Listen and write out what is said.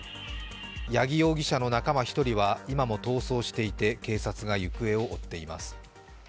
八木容疑者の仲間１人は今も逃走していて警察が行方を追っています。